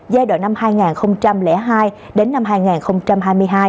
từ năm hai nghìn hai đến năm hai nghìn hai mươi hai